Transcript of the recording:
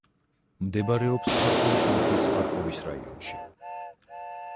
მდებარეობს ხარკოვის ოლქის ხარკოვის რაიონში.